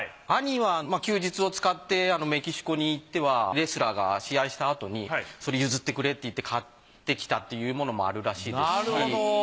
兄は休日を使ってメキシコに行ってはレスラーが試合したあとにそれ譲ってくれって言って買ってきたというものもあるらしいですし。